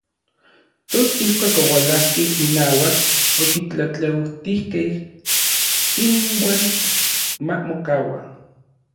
Tos ijkuak oualajkej inauak, okitlatlautijkej inuan ma mokaua.